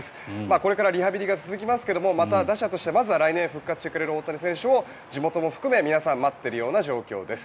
これからリハビリが続きますがまた打者としてまずは来年復活してくれる大谷選手を地元も含め、皆さん待っているような状況です。